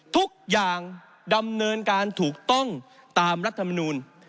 ทุกอย่างดำเนินการถูกต้องตามรัฐมนูล